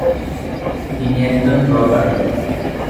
তিনি একজন ব্লগার।